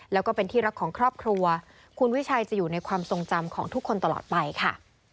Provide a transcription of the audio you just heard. แล้วก็เป็นที่รักของครอบครัวคุณวิชัยจะอยู่ในความทรงจำของทุกคนตลอดไปค่ะ